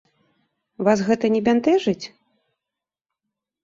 Вас гэта не бянтэжыць?